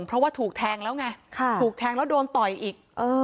เพราะว่าถูกแทงแล้วไงถูกแทงแล้วโดนต่อยอีก